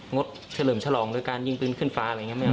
งดเฉลิมฉลองด้วยการยิงปืนขึ้นฟ้าอะไรอย่างเงี้ยไม่เอา